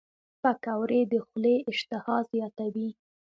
پکورې د خولې اشتها زیاتوي